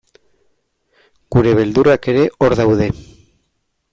Gure beldurrak ere hor daude.